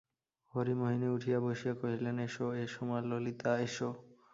হরিমোহিনী উঠিয়া বসিয়া কহিলেন, এসো, এসো মা, ললিতা এসো।